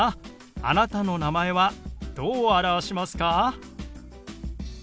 あなたの名前はどう表しますか？